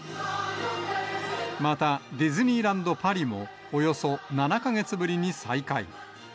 また、ディズニーランド・パリも、およそ７か月ぶりに再開。